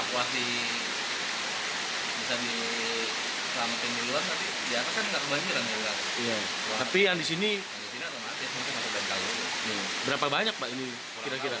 udah begini udah ada pemberitahuan dari perusahaan